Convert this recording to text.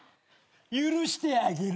許してあげる。